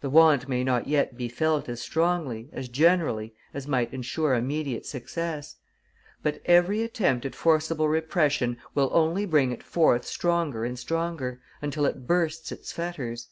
The want may not yet be felt as strongly, as generally, as might ensure immediate success; but every attempt at forcible repression will only bring it forth stronger and stronger, until it bursts its fetters.